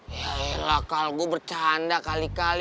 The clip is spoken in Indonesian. ya elah kal gue bercanda kali kali